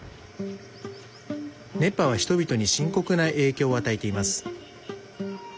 熱波は人々に深刻な影響を与えています。